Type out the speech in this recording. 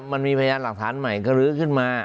มันมีพยานหลักฐานใหม่ก็ลื้อขึ้นมา